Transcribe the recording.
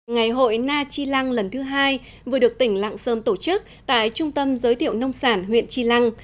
ngày hội na chi lăng lần thứ hai vừa được tỉnh lạng sơn tổ chức tại trung tâm giới thiệu nông sản huyện chi lăng